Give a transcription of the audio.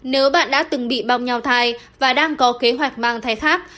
nếu bạn đã từng bị bong nhau thai và đang có kế hoạch mang thai khác